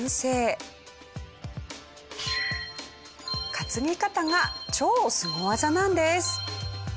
担ぎ方が超スゴ技なんです。